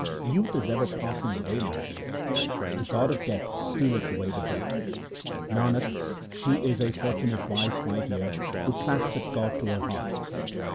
Youth is ever passing away, my dear, the god of death stealeth away the breath. Nanak, she is a fortunate wife, my dear, who claspeth God to her heart.